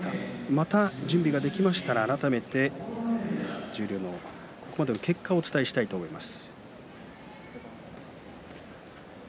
また準備ができましたら改めて十両のここまでの結果をお伝えしたいと思います。